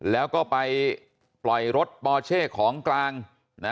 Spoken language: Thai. แล้วก็ไปปล่อยรถปอเช่ของกลางนะ